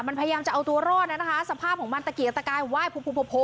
มันพยายามจะเอาตัวรอดน่ะนะคะสภาพของมันตะกีกับตะกายไหว้โพโพโพโพ